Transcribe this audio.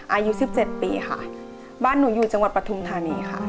อายุ๑๗ปีค่ะบ้านหนูอยู่จังหวัดปฐุมธานีค่ะ